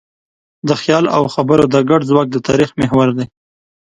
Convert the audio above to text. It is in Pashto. د خیال او خبرو دا ګډ ځواک د تاریخ محور دی.